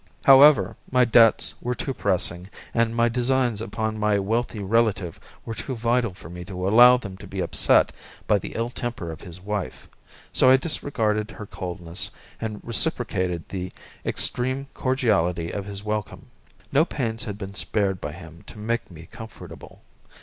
However, my debts were too pressing and my designs upon my wealthy relative were too vital for me to allow them to be upset by the ill temper of his wife, so I disregarded her coldness and reciprocated the extreme cordiality of his welcome. No pains had been spared by him to make me comfortable.